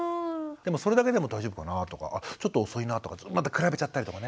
でもそれだけでも大丈夫かなとかあちょっと遅いなとかまた比べちゃったりとかね。